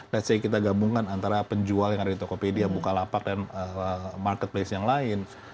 ⁇ thats ⁇ say kita gabungkan antara penjual yang ada di tokopedia bukalapak dan marketplace yang lain